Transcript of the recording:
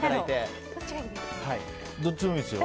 どっちでもいいですよ。